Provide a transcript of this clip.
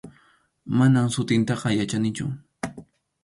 Manam sutintaqa yuyanichu.